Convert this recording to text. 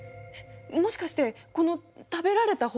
もしかしてこの食べられた方？